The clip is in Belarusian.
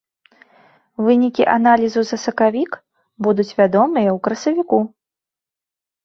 Вынікі аналізу за сакавік будуць вядомыя ў красавіку.